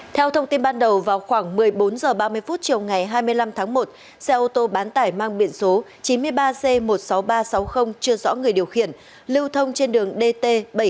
theo thông tin ban đầu vào khoảng một mươi bốn h ba mươi chiều ngày hai mươi năm tháng một xe ô tô bán tải mang biển số chín mươi ba c một mươi sáu nghìn ba trăm sáu mươi chưa rõ người điều khiển lưu thông trên đường dt bảy trăm bốn mươi bảy